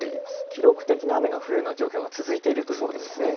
記録的な雨が降るような状況が続いているんですね。